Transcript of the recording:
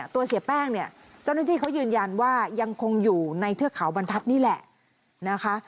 ตัวเสียแป้งเจ้าหน้าที่เค้ายืนยันว่ายังคงอยู่ในเทือกเขาบรรทัศน์นี่แหละ